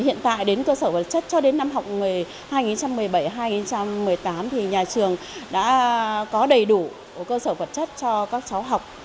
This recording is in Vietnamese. hiện tại đến cơ sở vật chất cho đến năm học nghề hai nghìn một mươi bảy hai nghìn một mươi tám thì nhà trường đã có đầy đủ cơ sở vật chất cho các cháu học